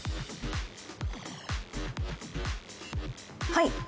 はい。